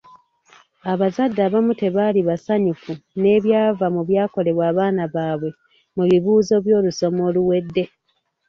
Abazadde abamu tebaali basanyufu n'ebyava mu byakolebwa abaana baabwe mu bibuuzo by'olusoma oluwedde.